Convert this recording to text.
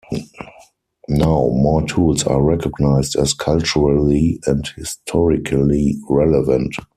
Now, more tools are recognized as culturally and historically relevant.